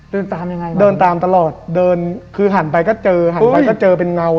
เดินตามยังไงเดินตามตลอดเดินคือหันไปก็เจอหันไปก็เจอเป็นเงา